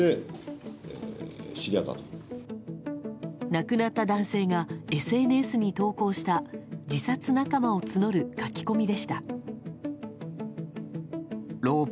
亡くなった男性がＳＮＳに投稿した自殺仲間を募る書き込みでした。